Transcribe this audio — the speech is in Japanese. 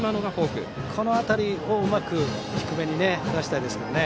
この辺りをうまく低めに打たせたいですね。